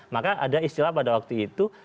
maka ada istilah pada waktu itu